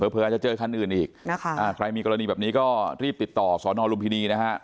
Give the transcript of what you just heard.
เผลอจะเจอขั้นอื่นอีกใครมีกรณีแบบนี้ก็รีบติดต่อศนลุมพินีนะครับ